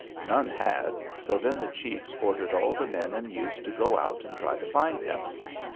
None had; so then the chiefs ordered all the men and youths to go out and try to find him.